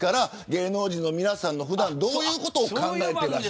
芸能人の皆さんが普段どういうこと考えているか。